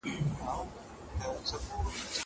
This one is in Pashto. دا وخت له هغه ښه دی!